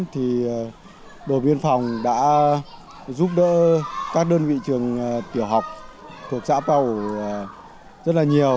thì đồn biên phòng đã giúp đỡ các đơn vị trường tiểu học thuộc xã pao rất là nhiều